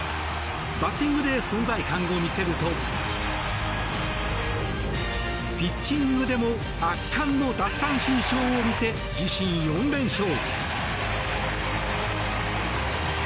バッティングで存在感を見せるとピッチングでも圧巻の奪三振ショーを見せ自身４連勝。